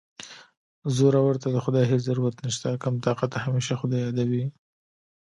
زورور ته د خدای هېڅ ضرورت نشته کم طاقته همېشه خدای یادوي